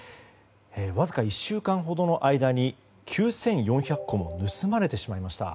わずか１週間ほどの間に９４００個が盗まれてしまいました。